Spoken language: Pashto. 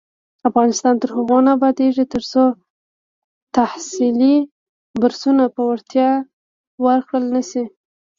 افغانستان تر هغو نه ابادیږي، ترڅو تحصیلي بورسونه په وړتیا ورکړل نشي.